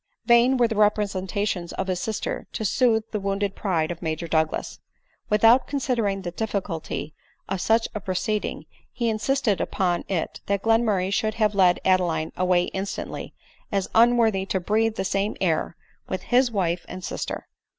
Vain were the representations of his sister to sooth the wounded pride of Major Douglas. Without considering the difficulty of such a proceeding, he insisted upon it that Glenmurray should have led Adeline away instantly, as unworthy to breathe the same air with his wife and sister.